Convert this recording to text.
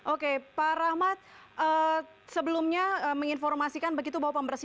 oke pak rahmat sebelumnya menginformasikan begitu bahwa pembersih